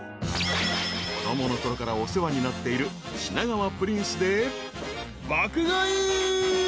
［子供のころからお世話になっている品川プリンスで爆買い］